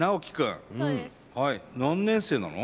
何年生なの？